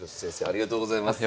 ありがとうございます。